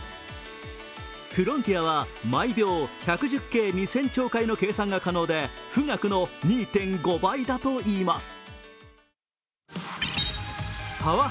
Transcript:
フロンティアは毎秒１１０京２０００兆回の計算が可能で富岳の２．５倍だといいます。